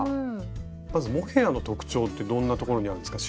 まずモヘアの特徴ってどんなところにあるんですか？